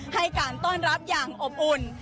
ให้การต้อนรับอย่างอบอุ่น